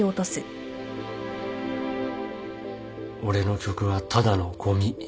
俺の曲はただのごみ。